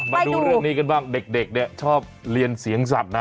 มาดูเรื่องนี้กันบ้างเด็กเนี่ยชอบเรียนเสียงสัตว์นะ